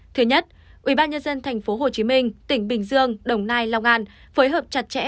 thứ nhất ubnd tp hcm tỉnh bình dương đồng nai long an phối hợp chặt chẽ